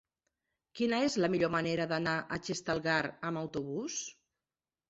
Quina és la millor manera d'anar a Xestalgar amb autobús?